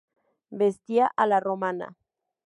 Vestía a la romana.